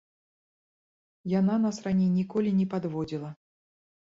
Яна нас раней ніколі не падводзіла.